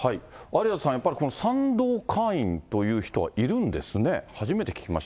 有田さん、やっぱりこの賛同会員という人はいるんですね。